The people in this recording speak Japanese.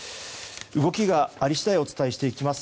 動きがあり次第お伝えしていきます。